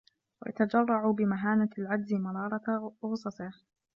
وَيَتَجَرَّعُ بِمَهَانَةِ الْعَجْزِ مَرَارَةَ غُصَصِهِ